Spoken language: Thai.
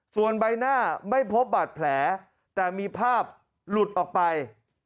ส่วนใบหน้าไม่พบบาดแผลแต่มีภาพหลุดออกไป